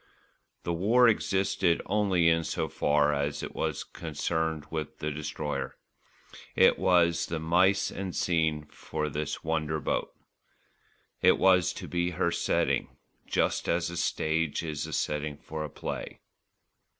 The war existed only in so far as it was concerned with the Destroyer. It was the mise en scêne for this wonder boat. It was to be her setting, just as a stage is the setting for a play.